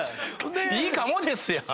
いいかもですやん。